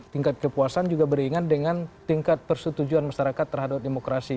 tingkat kepuasan juga beringat dengan tingkat persetujuan masyarakat terhadap demokrasi